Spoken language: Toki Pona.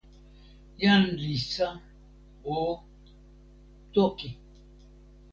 jan Lisa o, toki.